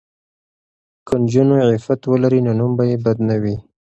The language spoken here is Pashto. که نجونې عفت ولري نو نوم به یې بد نه وي.